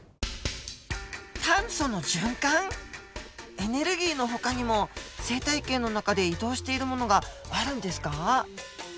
エネルギーのほかにも生態系の中で移動しているものがあるんですか？